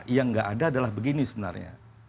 yang nggak ada adalah begini sebenarnya